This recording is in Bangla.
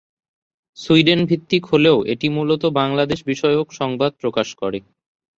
সুইডেন-ভিত্তিক হলেও এটি মূলত বাংলাদেশ-বিষয়ক সংবাদ প্রকাশ করে।